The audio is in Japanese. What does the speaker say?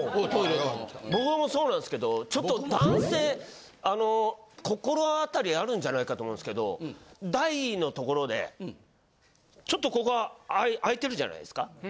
僕もそうなんですけどちょっと男性心当たりあるんじゃないかと思うんですけど大の所でちょっとここが開いてるじゃないですか。